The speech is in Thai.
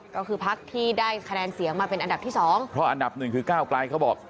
ก็คือพักที่ได้คะแนนเสียงมาเป็นอันดับที่สองเพราะอันดับหนึ่งคือก้าวไกลเขาบอก